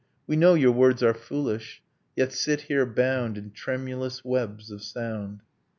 . We know your words are foolish, yet sit here bound In tremulous webs of sound.